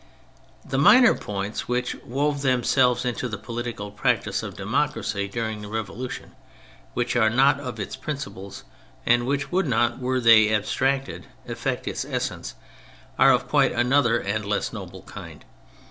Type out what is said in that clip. The minor points which wove themselves into the political practice of democracy during the Revolution, which are not of its prin ciples, and which would not, were they ab stracted, affect its essence, are of quite another and less noble kind.